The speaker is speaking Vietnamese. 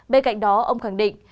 bên cạnh đó ông khẳng định